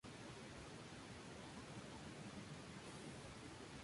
La textura resulta tierna y cremosa.